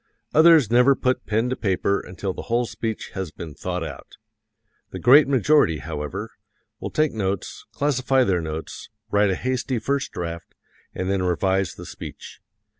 Others never put pen to paper until the whole speech has been thought out. The great majority, however, will take notes, classify their notes, write a hasty first draft, and then revise the speech.